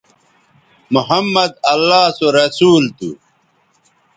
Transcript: محمدؐ اللہ سو رسول تھو